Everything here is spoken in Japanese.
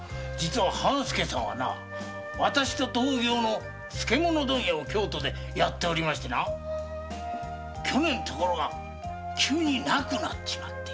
半助さんは私と同業の漬物問屋を京都でやっておりましてな去年急に亡くなっちまって。